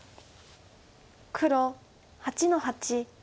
黒８の八。